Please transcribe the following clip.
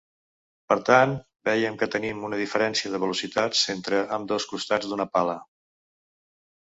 Per tant veiem que tenim una diferència de velocitats entre ambdós costats d'una pala.